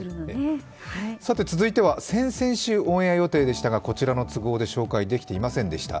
続いては先々週オンエア予定でしたが、こちらの都合で紹介できませんでした。